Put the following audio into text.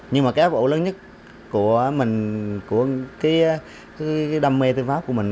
nhưng mà cái áp bộ lớn nhất của mình của cái đam mê thư pháp của mình